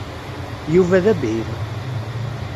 Yuba d abhim.